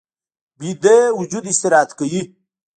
ویده وجود استراحت کوي